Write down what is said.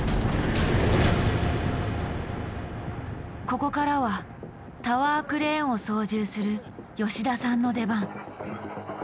ここからはタワークレーンを操縦する吉田さんの出番。